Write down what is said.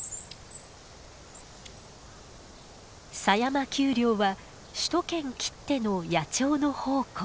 狭山丘陵は首都圏きっての野鳥の宝庫。